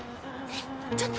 えっ？